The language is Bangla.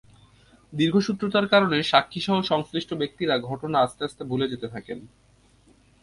দীর্ঘসূত্রতার কারণে সাক্ষীসহ সংশ্লিষ্ট ব্যক্তিরা ঘটনা আস্তে আস্তে ভুলে যেতে থাকেন।